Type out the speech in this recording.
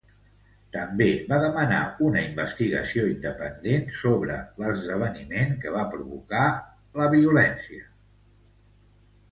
També va demanar una investigació independent sobre l'esdeveniment que va provocar a la violència.